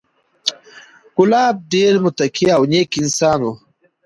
کلاب ډېر متقي او نېک انسان و،